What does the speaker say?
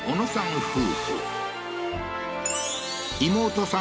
夫婦妹さん